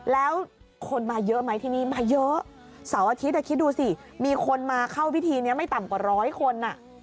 แล้วคนมาเยอะไหมที่นี่มาเยอะเสาร์อาทิตย์คิดดูสิมีคนมาเข้าพิธีนี้ไม่ต่ำกว่าร้อยคน